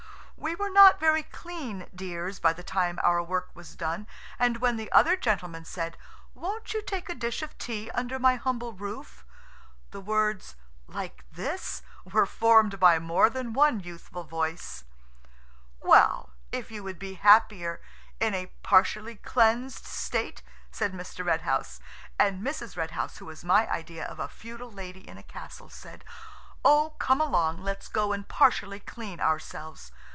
We were not very clean dears by the time our work was done, and when the other gentleman said, "Won't you take a dish of tea under my humble roof?" the words "Like this?" were formed by more than one youthful voice. "Well, if you would be happier in a partially cleansed state?" said Mr. Red House. And Mrs. Red House, who is my idea of a feudal lady in a castle, said, "Oh, come along, let's go and partially clean ourselves.